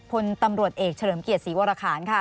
พลตำรวจเอกเฉลิมเกียรติศรีวรคารค่ะ